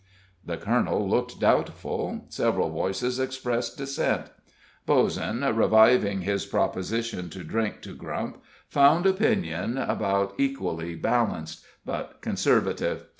The colonel looked doubtful; several voices expressed dissent; Bozen, reviving his proposition to drink to Grump, found opinion about equally balanced, but conservative.